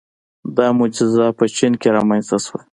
• دا معجزه په چین کې رامنځته شوه.